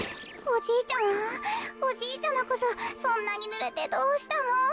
おじいちゃまこそそんなにぬれてどうしたの？